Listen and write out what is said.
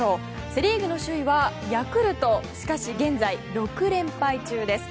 セ・リーグ首位はヤクルトしかし現在６連敗中です。